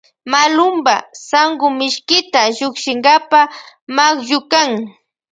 Malunpa sankumishkita llukchinkapa makllukan.